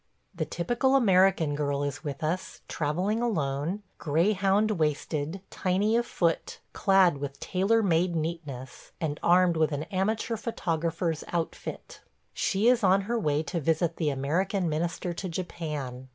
The typical American girl is with us, travelling alone – greyhound waisted, tiny of foot, clad with tailor made neatness, and armed with an amateur photographer's outfit. She is on her way to visit the American Minister to Japan.